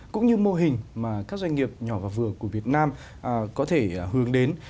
cũng như mô hình mà các doanh nghiệp nhỏ và vừa của việt nam có thể hướng đến